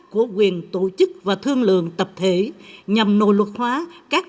quốc hội sẽ thông qua bảy dự án luật của quyền tổ chức và thương lượng tập thể nhằm nội luật hóa các